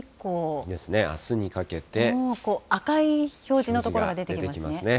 赤い表示の所が出てきますね。